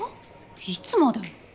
いつまで？